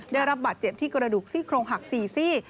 ได้รับบาดเจ็บที่กระดูกซี่โครงหัก๔ซี่